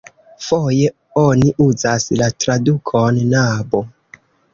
Foje oni uzas la tradukon nabo.